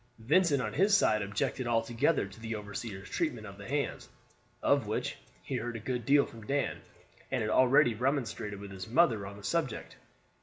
Vincent on his side objected altogether to the overseer's treatment of the hands, of which he heard a good deal from Dan, and had already remonstrated with his mother on the subject.